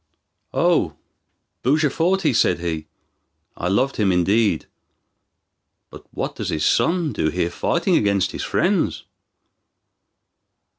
"O Bujaforte," said he, "I loved him indeed; but what does his son do here fighting against his friends?"